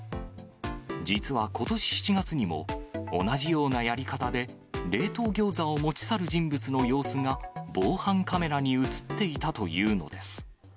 実はことし７月にも、同じようなやり方で冷凍餃子を持ち去る人物の様子が、防犯カメラに写っていたというのです。